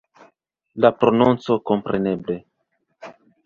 La prononco, kompreneble.